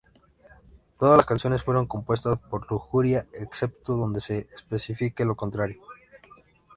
Todas las canciones fueron compuestas por Lujuria, excepto donde se especifique lo contrario.